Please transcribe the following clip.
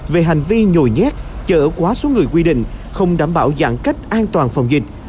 về hành vi nhồi nhét chở quá số người quy định không đảm bảo giãn cách an toàn phòng dịch